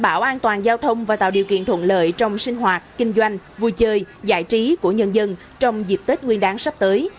bảo an toàn giao thông và tạo điều kiện thuận lợi trong sinh hoạt kinh doanh vui chơi giải trí của nhân dân trong dịp tết nguyên đáng sắp tới